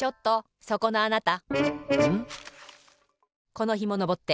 このひものぼって。